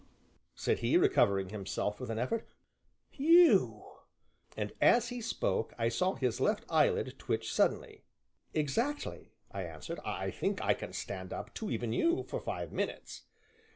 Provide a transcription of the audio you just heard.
said he, recovering himself with an effort, "you?" and, as he spoke, I saw his left eyelid twitch suddenly. "Exactly," I answered, "I think I can stand up to even you for five minutes."